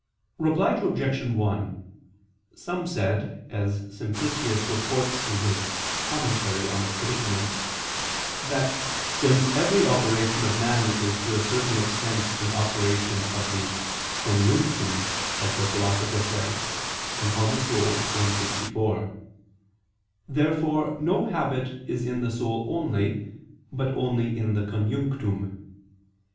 Reply Obj. 1: Some said, as Simplicius reports in his Commentary on the Predicaments, that, since every operation of man is to a certain extent an operation of the conjunctum, as the Philosopher says (De Anima i, text. 64); therefore no habit is in the soul only, but in the _conjunctum.